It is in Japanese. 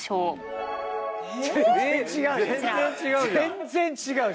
全然違う。